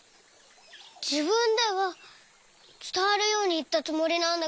じぶんではつたわるようにいったつもりなんだけど。